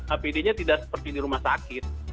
apd nya tidak seperti di rumah sakit